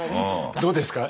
どうですか？